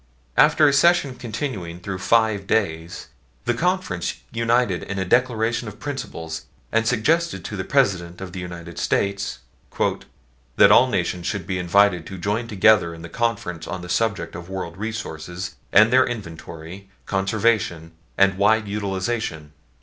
After a session continuing through five days, the Conference united in a declaration of principles, and suggested to the President of the United States "that all nations should be invited to join together in conference on the subject of world resources, and their inventory, conservation, and wise utilization."